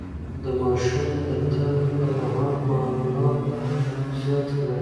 د ماشوم د تبه پر مهال مايعات زيات کړئ.